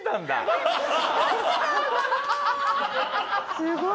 すごい。